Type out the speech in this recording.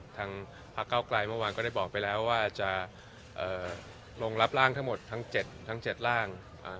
ทางพักเก้าไกลเมื่อวานก็ได้บอกไปแล้วว่าจะลงรับร่างทั้งหมดทั้ง๗ทั้ง๗ร่าง